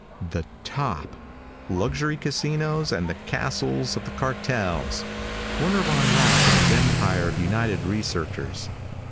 The top! Luxury casinos and the castles of the cartels. Werner von Rausch and his empire of United Researchers.